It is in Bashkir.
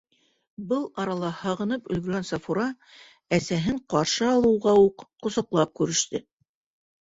Был арала һағынып өлгөргән Сафура әсәһен ҡаршы алыуға уҡ ҡосаҡлап күреште.